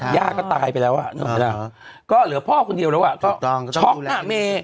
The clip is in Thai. ยาก็ตายไปแล้วอ่ะก็เหลือพ่อคนเดียวแล้วอ่ะก็ช็อคหน้าเม